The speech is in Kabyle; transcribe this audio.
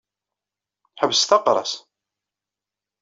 Ḥebset aqras.